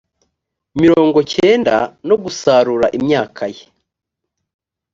mirongo cyenda no gusarura imyaka ye